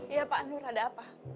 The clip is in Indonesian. iya pak nur ada apa